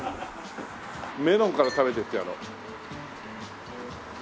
メロンから食べてってやろう。